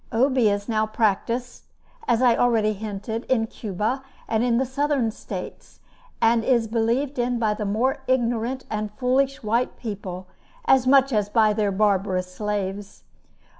Obi is now practiced, as I have already hinted, in Cuba and in the Southern States, and is believed in by the more ignorant and foolish white people, as much as by their barbarous slaves.